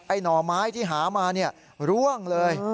หน่อไม้ที่หามาเนี่ยร่วงเลย